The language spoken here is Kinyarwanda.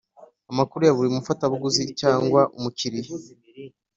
amakuru ya buri mufatabuguzi cyangwa umukiriya